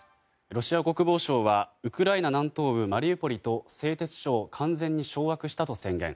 ロシア国防省はウクライナ南東部マリウポリと製鉄所を完全に掌握したと宣言。